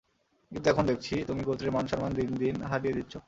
কিন্তু এখন দেখছি, তুমি গোত্রের মান সম্মান দিন দিন হারিয়ে দিচ্ছ।